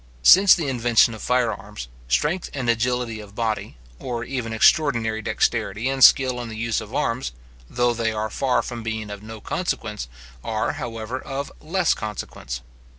Since the invention of fire arms, strength and agility of body, or even extraordinary dexterity and skill in the use of arms, though they are far from being of no consequence, are, however, of less consequence.